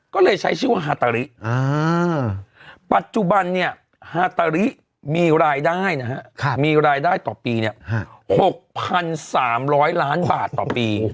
ก็เลยใช้ชื่อว่าฮาตาริปัจจุบันเนี่ยฮาตาริมีรายได้นะฮะมีรายได้ต่อปีเนี่ย๖๓๐๐ล้านบาทต่อปี